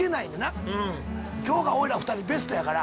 今日がおいら２人ベストやから。